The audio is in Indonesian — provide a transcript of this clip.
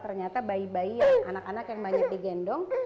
dan diajarkan bahwa ternyata bayi bayi anak anak yang banyak digendong